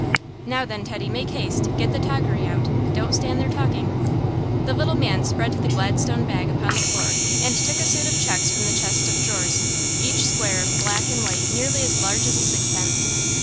"Now then, Teddy, make haste, get the toggery out; don't stand there talking." The little man spread the Gladstone bag upon the floor and took a suit of checks from the chest of drawers, each square of black and white nearly as large as a sixpence.